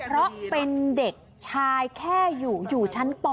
เพราะเป็นเด็กชายแค่อยู่ชั้นป